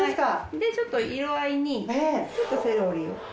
で色合いにちょっとセロリを。